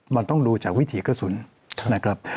มันต้องดูจากวิถีกระสุนนะครับ